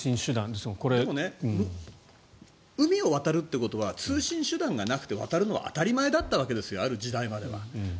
でも海を渡るということは通信手段がなくて渡るのは当たり前だったわけですある時代までは。